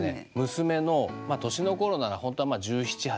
娘の年の頃ならホントは１７１８。